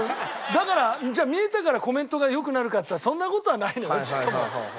だからじゃあ見えたからコメントが良くなるかっていったらそんな事はないのよちっとも。